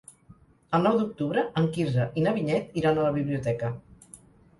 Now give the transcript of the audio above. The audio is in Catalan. El nou d'octubre en Quirze i na Vinyet iran a la biblioteca.